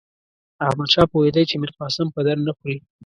احمدشاه پوهېدی چې میرقاسم په درد نه خوري.